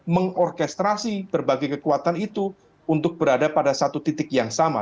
mengorkestrasi berbagai kekuatan itu untuk berada pada satu titik yang sama